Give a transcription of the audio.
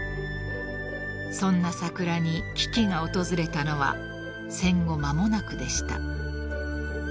［そんな桜に危機が訪れたのは戦後間もなくでした］